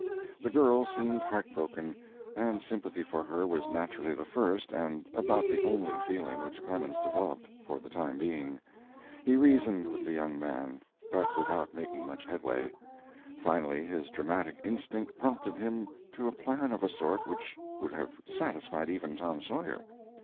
The girl seemed heartbroken, and sympathy for her was naturally the first and about the only feeling which Clemens developed, for the time being. He reasoned with the young man, but without making much headway. Finally his dramatic instinct prompted him to a plan of a sort which would have satisfied even Tom Sawyer.